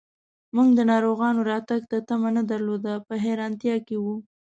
موږ د ناروغانو راتګ ته تمه نه درلوده، په حیرانتیا کې و.